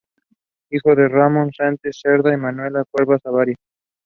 People were "so" close to the abuse.